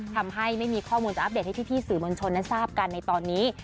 ทำให้ไม่มีข้อมูลจะอัปเดตให้พี่สื่อมวลชนนั้นทราบกันในตอนนี้